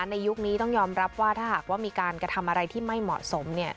ยุคนี้ต้องยอมรับว่าถ้าหากว่ามีการกระทำอะไรที่ไม่เหมาะสม